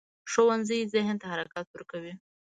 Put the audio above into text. ښوونځی ذهن ته حرکت ورکوي